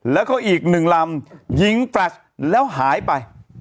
แล้วก็อีกหนึ่งลำยิงแฟลชแล้วหายไป